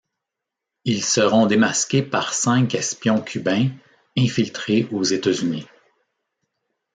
Ils seront démasqués par cinq espions cubains infiltrés aux États-Unis.